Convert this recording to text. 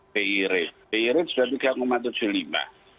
piri piri sudah tiga tujuh puluh lima